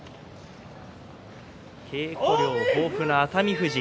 稽古量、豊富な熱海富士。